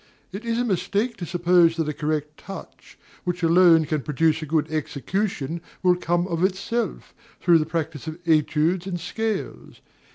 It is a mistake to suppose that a correct touch, which alone can produce a good execution, will come of itself, through the practice of études and scales.